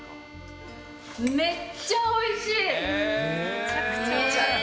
めっちゃおいしい。